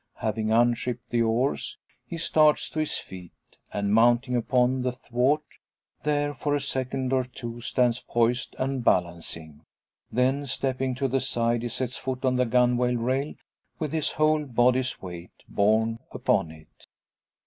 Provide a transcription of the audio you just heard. Having unshipped the oars, he starts to his feet; and mounting upon the thwart, there for a second or two stands poised and balancing. Then, stepping to the side, he sets foot on the gunwale rail with his whole body's weight borne upon it.